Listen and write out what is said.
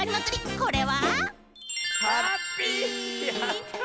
これは。